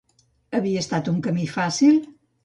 Havia estat un camí fàcil?